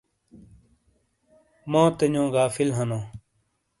موتے نیو غافل ہنو۔